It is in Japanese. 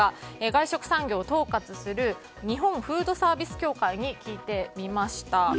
外食産業を統括する日本フードサービス協会に聞いてみました。